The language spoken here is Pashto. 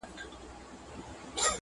• سخت حالت سره مخ ده..